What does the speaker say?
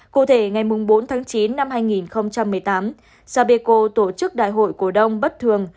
cụ thể ngày bốn tháng chín năm hai nghìn một mươi tám sapeco tổ chức đại hội cổ đông bất thường